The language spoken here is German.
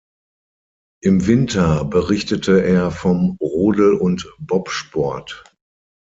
Im Winter berichtete er vom Rodel- und Bobsport.